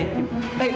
ya ibu silahkan